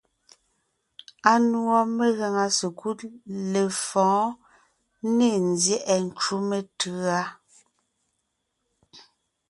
Anùɔ megàŋa sekúd lefɔ̌ɔn ne nzyɛ́ʼɛ ncú metʉ̌a.